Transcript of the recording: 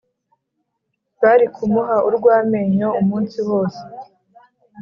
Bari kumuha urw ‘amenyo umunsi wose